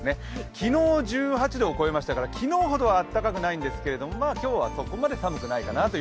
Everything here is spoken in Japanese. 昨日１８度を超えましたから昨日ほどはあったかくないんですが今日は昨日ほどは寒くないかな。